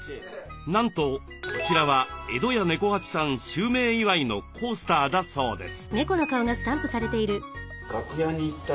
なんとこちらは江戸家猫八さん襲名祝いのコースターだそうです。